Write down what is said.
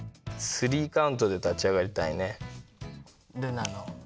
スリーカウントで立ち上がりたいね。